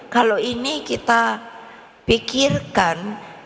kalau ini kita pikirkan